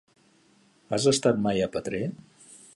Has estat mai a Petrer?